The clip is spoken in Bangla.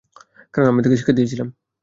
কারণ, আমি তাকে শিক্ষা দিয়েছিলাম।